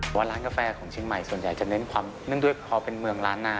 ว่าร้านกาแฟของเชียงใหม่ส่วนใหญ่จะเน้นความเนื่องด้วยพอเป็นเมืองล้านนา